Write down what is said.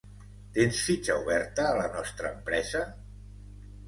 Tens fitxa oberta a la nostra empresa?